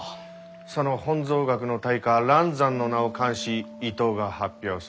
その本草学の大家蘭山の名を冠し伊藤が発表する。